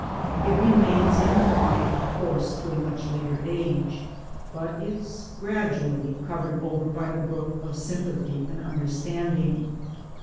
It remains in the mind of course to a much later age, but is gradually covered oveV by the growth of sympathy and understanding.